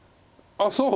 あっそう？